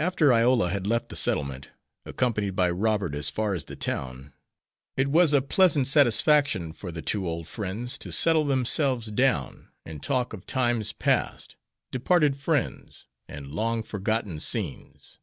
After Iola had left the settlement, accompanied by Robert as far as the town, it was a pleasant satisfaction for the two old friends to settle themselves down, and talk of times past, departed friends, and long forgotten scenes.